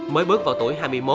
mới bước vào tuổi hai mươi một